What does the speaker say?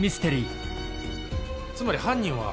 つまり犯人は。